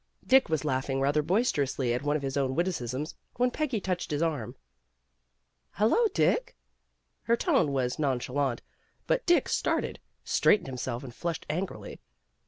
Dick was laughing rather boisterously at one of his own witticisms, when Peggy touched his arm. " Hello, Dick!" Her tone was non chalant, but Dick started, straightened himself and .flushed angrily.